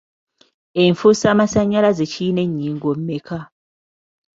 Enfuusamasannyalaze kirina ennyingo mmeka?